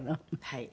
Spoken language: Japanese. はい。